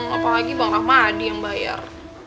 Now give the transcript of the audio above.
apalagi bang rahmadi yang bayar